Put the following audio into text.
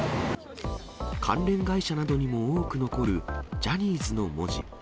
関連会社などにも多く残るジャニーズの文字。